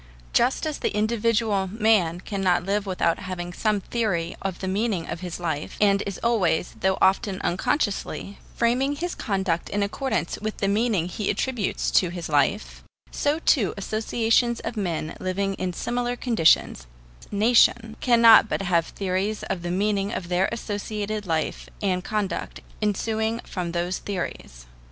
Just as the individual man cannot live without having some theory of the meaning of his life, and is always, though often unconsciously, framing his conduct in accordance with the meaning he attributes to his life, so too associations of men living in similar conditions nations cannot but have theories of the meaning of their associated life and conduct ensuing from those theories.